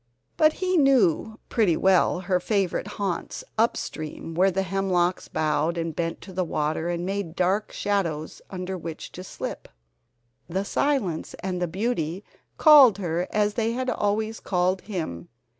But he knew pretty well her favorite haunts up stream where the hemlocks bowed and bent to the water, and made dark shadows under which to slip. The silence and the beauty called her as they had always called him.